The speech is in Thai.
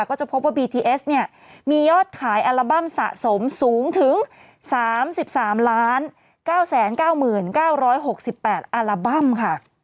ก็จะพบว่าบีทีเอสเนี่ยมียอดขายอัลบั้มสะสมสูงถึงสามสิบสามล้านเก้าแสนเก้าหมื่นเก้าร้อยหกสิบแปดอัลบั้มค่ะ